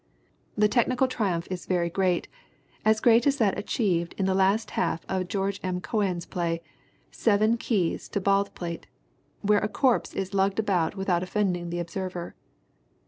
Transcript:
The technical triumph is very great, as great as that achieved in the last half of George M. Cohan's play, Seven Keys to Baldpate, where a corpse is lugged about without offending the observer.